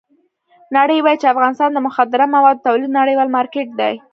نړۍ وایي چې افغانستان د مخدره موادو د تولید نړیوال مارکېټ دی.